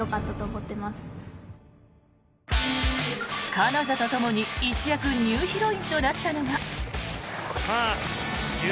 彼女とともに一躍ニューヒロインとなったのが。